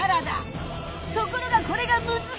ところがこれがむずかしい！